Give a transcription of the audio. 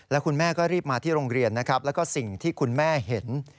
แล้วคุณแม่ก็รีบมาที่โรงเรียนนะครับแล้วก็สิ่งที่คุณแม่เห็น